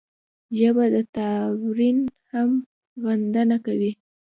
ژبه د ناورین هم غندنه کوي